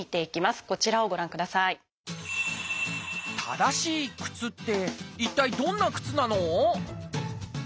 正しい靴って一体どんな靴なの？